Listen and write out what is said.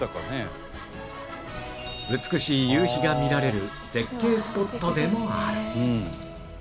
美しい夕日が見られる絶景スポットでもある